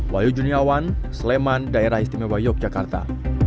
wayu juniawan sleman daerah istimewa yogyakarta